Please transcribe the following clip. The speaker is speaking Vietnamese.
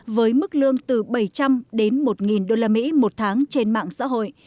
với mức lương từ bảy trăm linh đến một usd một tháng trên mạng xã hội